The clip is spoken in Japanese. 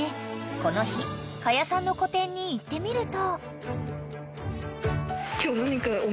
この日可夜さんの個展に行ってみると］